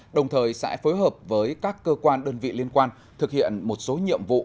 đồng thời sẽ phối hợp với các cơ quan đơn vị liên quan thực hiện một số nhiệm vụ